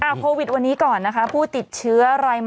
โควิดวันนี้ก่อนนะคะผู้ติดเชื้อรายใหม่